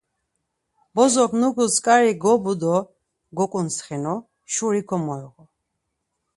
Bozok nuǩus tzǩari gobu do goǩuntsxinu, şuri komoiğu.